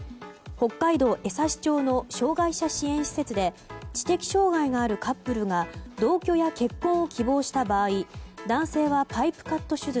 北海道江差町の障害者支援施設で知的障害のあるカップルが同居や結婚を希望した場合男性はパイプカット手術